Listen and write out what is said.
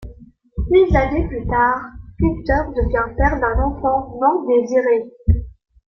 Des années plus tard, Gunther devient père d'un enfant non-désiré.